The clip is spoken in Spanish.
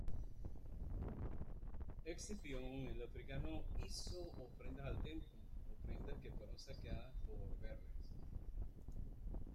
Escipión el Africano hizo ofrendas al templo, ofrendas que fueron saqueadas por Verres.